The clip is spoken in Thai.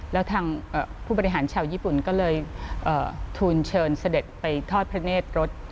แล้วทางผู้บริหารชาวญี่ปุ่นก็เลยทูลเชิญเสด็จไปทอดพระเนธรถ